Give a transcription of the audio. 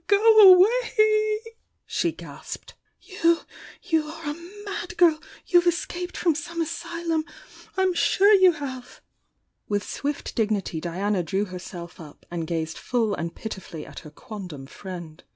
"Go away!" she gasped— "You— you are a mad girl I You've escaped from some asylum! — I'm sure you have!" With swift d^ity Diana drew herself up and gazed full and pitifully at her quondam friend.